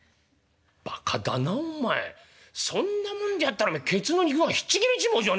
「ばかだなお前そんなもんでやったらおめえケツの肉がひっちぎれちまうじゃねえかよ」。